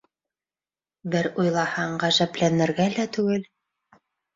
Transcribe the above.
Бер уйлаһаң, ғәжәпләнергә лә түгел.